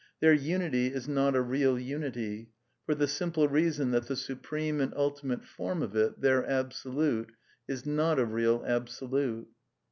Their unity is not a real unity, for the simple reason that the supreme and ulti mate form of it, their Absolute, is not a real Absolute.